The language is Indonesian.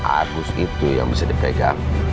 agus itu yang bisa dipegang